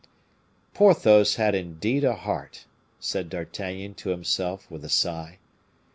"Porthos had indeed a heart," said D'Artagnan to himself with a sigh.